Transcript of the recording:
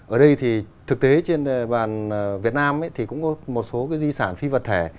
ở đây thì thực tế trên bàn việt nam thì cũng có một số di sản phi vật thể